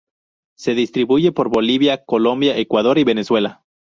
Se distribuye por Bolivia, Colombia, Ecuador y Venezuela.